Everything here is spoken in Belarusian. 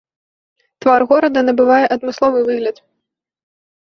Твар горада набывае адмысловы выгляд.